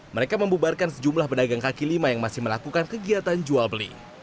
mereka membubarkan sejumlah pedagang kaki lima yang masih melakukan kegiatan jual beli